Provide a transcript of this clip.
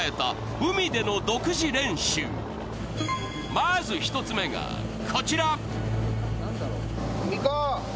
まず１つ目が、こちら。